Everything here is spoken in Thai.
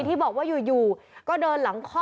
ที่บอกว่าอยู่ก็เดินหลังข้อ